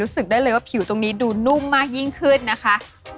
รู้สึกได้เลยว่าผิวตรงนี้ดูนุ่มมากยิ่งขึ้นนะคะ